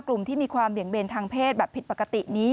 ที่มีความเบี่ยงเบนทางเพศแบบผิดปกตินี้